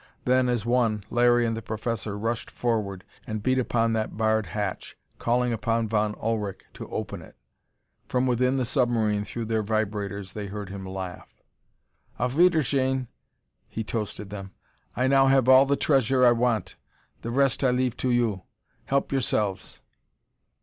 Then, as one, Larry and the professor rushed forward and beat upon that barred hatch, calling upon Von Ullrich to open it. From within the submarine, through their vibrators, they heard him laugh. "Auf Wiedersehen!" he toasted them. "I now have all the treasure I want! The rest I leave to you! Help yourselves!"